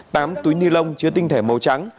tám túi ni lông chứa tinh thể màu trắng